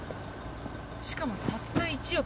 しかもたった１億って。